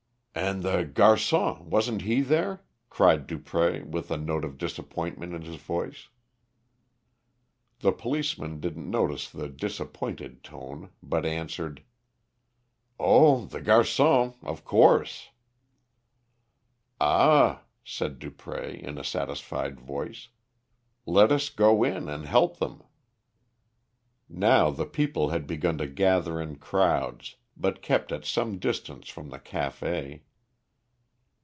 "And the garçon, wasn't he there?" cried Dupré, with a note of disappointment in his voice. The policeman didn't notice the disappointed tone, but answered "Oh, the garçon, of course." "Ah," said Dupré, in a satisfied voice, "let us go in, and help them." Now the people had begun to gather in crowds, but kept at some distance from the café.